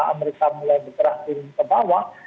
ketika amerika mulai bergerak ke bawah